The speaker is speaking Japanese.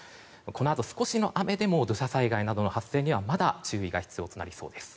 このあと、少しの雨でも土砂災害などの発生にはまだ注意が必要となりそうです。